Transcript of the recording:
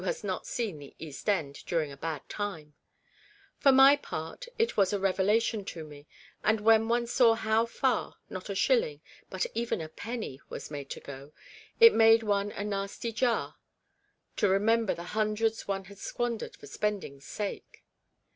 197 has not seen the East End during a bad time ; for my part it was a revelation to me, and when one saw how far, not a shilling, but even a penny was made to go, it gave one a nasty jar to remember the hundreds one had squan dered for spending's sake.